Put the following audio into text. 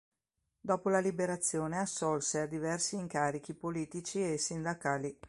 Dopo la Liberazione assolse a diversi incarichi politici e sindacali.